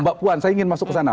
mbak puan saya ingin masuk ke sana